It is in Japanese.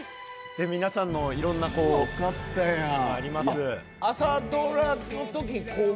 皆さんのいろんなこうあります。